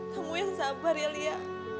kamu yang sabar ya lia